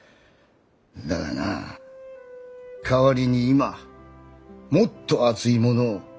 だがな代わりに今もっと熱いものを見つけてる。